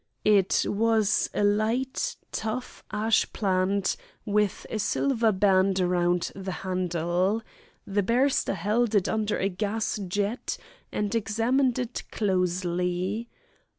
It was a light, tough ashplant, with a silver band around the handle. The barrister held it under a gas jet and examined it closely.